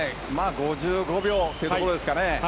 ５５秒というところですかね。